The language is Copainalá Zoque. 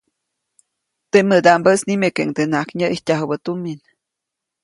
Temädaʼmbäʼis nimekeʼuŋdenaʼak nyäʼijtyajubä tumin.